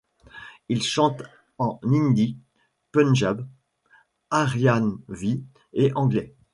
Il chante en hindi, punjab, Haryanvi et anglais.